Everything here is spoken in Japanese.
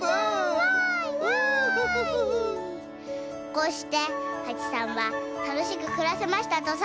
こうしてはちさんはたのしくくらせましたとさ。